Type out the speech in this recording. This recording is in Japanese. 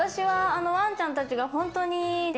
ワンちゃんたちが本当に。